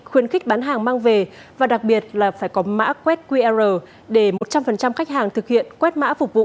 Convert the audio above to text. khuyến khích bán hàng mang về và đặc biệt là phải có mã quét qr để một trăm linh khách hàng thực hiện quét mã phục vụ